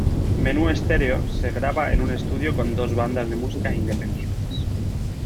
Menú Stereo se graba en un estudio con dos bandas de música independientes.